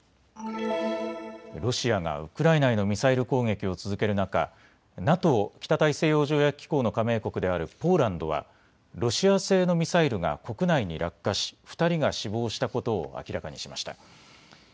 ロシアがウクライナへのミサイル攻撃を続ける中、ＮＡＴＯ・北大西洋条約機構の加盟国であるポーランドはロシア製のミサイルが国内に落下し２人が死亡したことを明らかにしました。